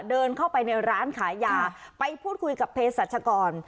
เดินเข้าไปในร้านขายยาไปพูดคุยกับเพศรัชกร